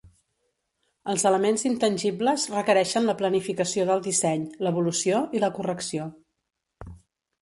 Els elements intangibles requereixen la planificació del disseny, l'evolució i la correcció.